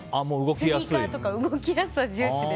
スニーカーとか動きやすさ重視です。